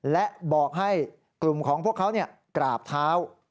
และบอกให้กลุ่มของพวกเขากราบเท้า